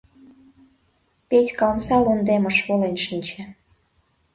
Петька омса лондемеш волен шинче.